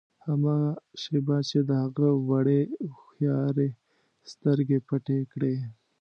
هماغه شېبه مې د هغه وړې هوښیارې سترګې پټې کړې.